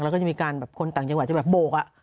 แล้วก็จะมีการแบบคนต่างจังหวัดจะแบบโบก